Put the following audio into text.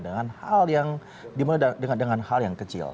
dengan hal yang dimulai dengan hal yang kecil